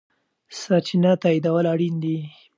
سرچینه تاییدول اړین دي.